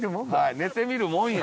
寝てみるもんよ。